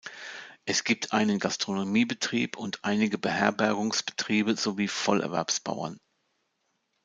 Es gibt einen Gastronomiebetrieb und einige Beherbergungsbetriebe sowie Vollerwerbsbauern.